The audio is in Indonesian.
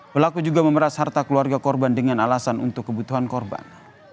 pelaku juga memeras harta keluarga korban dengan alasan untuk kebutuhan korban